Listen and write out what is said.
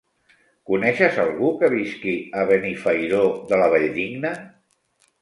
Coneixes algú que visqui a Benifairó de la Valldigna?